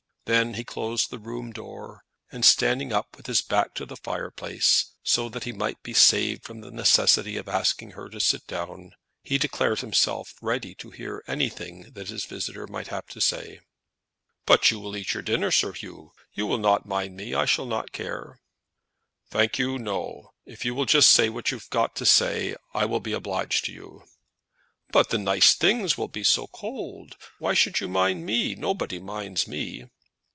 Then he closed the room door, and standing up with his back to the fireplace, so that he might be saved from the necessity of asking her to sit down, he declared himself ready to hear anything that his visitor might have to say. "But you will eat your dinner, Sir 'Oo? You will not mind me. I shall not care." "Thank you, no; if you will just say what you have got to say, I will be obliged to you." "But the nice things will be so cold! Why should you mind me? Nobody minds me."